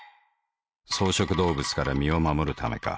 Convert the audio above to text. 草食動物から身を護るためか。